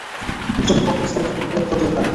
যত কম বিস্তারিত বলবে, ততই ভাল।